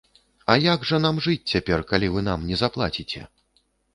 А як жа нам жыць цяпер, калі вы нам не заплаціце?